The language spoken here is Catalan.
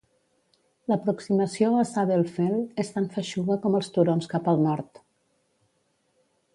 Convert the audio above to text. L'aproximació a Saddle Fell és tan feixuga com els turons cap al nord.